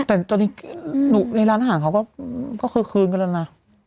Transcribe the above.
แต่ตอนนี้ในร้านอาหารเขาก็คือคืนกันแล้วนะ